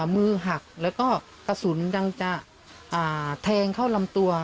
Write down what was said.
มือหักแล้วก็กระสุนยังจะแทงเข้าลำตัว